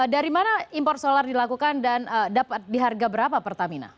dari mana import solar dilakukan dan dapat diharga berapa pertamina